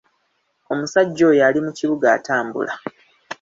Omusajja oyo ali mu kibuga atambula.